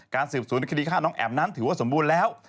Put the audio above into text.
สืบสวนคดีฆ่าน้องแอ๋มนั้นถือว่าสมบูรณ์แล้ว